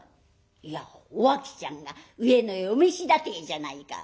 「いやお秋ちゃんが上野へお召しだてえじゃないか」。